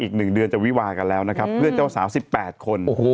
อีก๑เดือนจะวิวากันแล้วนะครับเพื่อนเจ้าสาว๑๘คน